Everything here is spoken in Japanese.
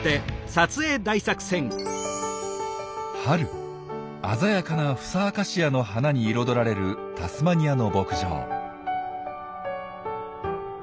春鮮やかなフサアカシアの花に彩られるタスマニアの牧場。